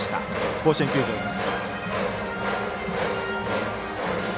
甲子園球場です。